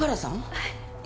はい！